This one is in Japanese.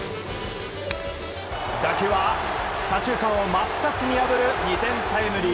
打球は左中間を真っ二つに割る２点タイムリー。